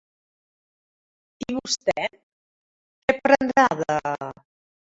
I vostè, què prendrà de??